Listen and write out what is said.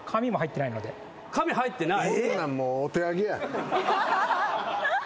紙入ってない？